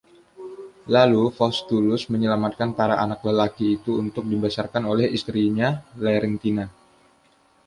Lalu Faustulus menyelamatkan para anak lelaki itu, untuk dibesarkan oleh istrinya Larentia.